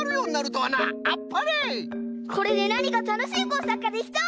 これでなにかたのしいこうさくができそう！